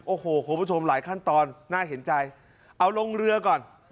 โอ้โหคุณผู้ชมหลายขั้นตอนน่าเห็นใจเอาลงเรือก่อน